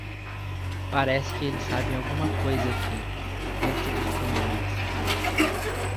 Parece que eles sabem alguma coisa aqui, dentro dos pulmões.